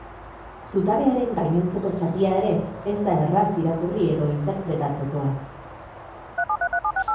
Zutabearen gainontzeko zatia ere, ez da erraz irakurri edo interpretatzekoa.